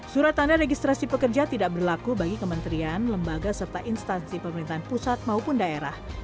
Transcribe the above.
surat tanda registrasi pekerja tidak berlaku bagi kementerian lembaga serta instansi pemerintahan pusat maupun daerah